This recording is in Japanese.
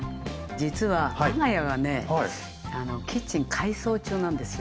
実は我が家がねキッチン改装中なんですよ。